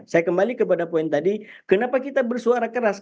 saya kembali kepada poin tadi kenapa kita bersuara keras